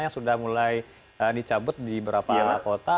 yang sudah mulai dicabut di beberapa kota